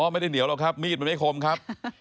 ไม่ได้เหนียวหรอกครับมีดมันไม่คมครับ